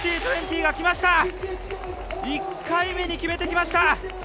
１６２０を１回目に決めてきました。